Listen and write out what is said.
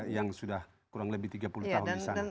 yang sudah kurang lebih tiga puluh tahun di sana